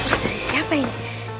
surat surat dari siapa ini